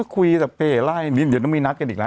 คุยแต่เป๋ไล่นิดเดี๋ยวต้องมีนัดกันอีกแล้ว